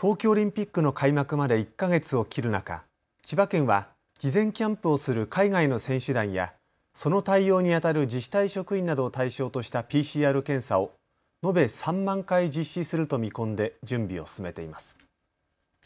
東京オリンピックの開幕まで１か月を切る中、千葉県は事前キャンプをする海外の選手団やその対応にあたる自治体職員などを対象としたＰＣＲ検査を延べ３万回実施すると見込んで準備を進めています。